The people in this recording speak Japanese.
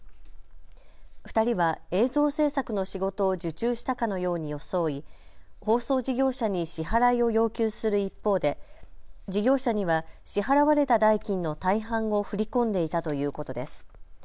２人は映像制作の仕事を受注したかのように装い、放送事業者に支払いを要求する一方で事業者には支払われた代金の大半を振り込んでいたということです。